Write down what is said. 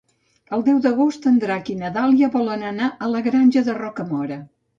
El deu d'agost en Drac i na Dàlia volen anar a la Granja de Rocamora.